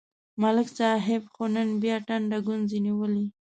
ملک صاحب خو نن بیا ټنډه گونځې نیولې